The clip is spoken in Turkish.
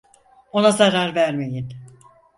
Ona zarar vermeyin!